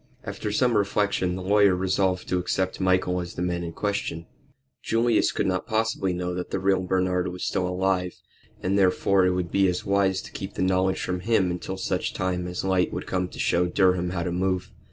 After some reflection the lawyer resolved to accept Michael as the man in question. Julius could not possibly know that the real Bernard was alive, and therefore it would be as wise to keep the knowledge from him until such time as light would come to show Durham how to move.